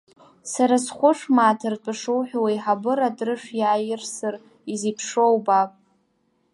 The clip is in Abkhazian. Сара схәышә мааҭ ртәы шуҳәо, уеиҳабыра атрышә иаирсыр, изеиԥшроу убап.